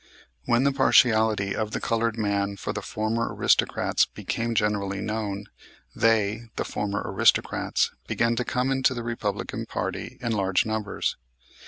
When the partiality of the colored man for the former aristocrats became generally known, they the former aristocrats, began to come into the Republican party in large numbers.